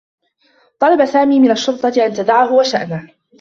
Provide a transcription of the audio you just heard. طلب سامي من الشّرطة أن تدعه و شأنه.